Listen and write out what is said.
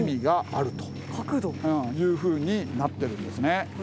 うんいうふうになってるんですね。